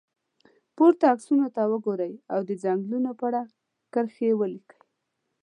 پورته عکسونو ته وګورئ او د څنګلونو په اړه کرښې ولیکئ.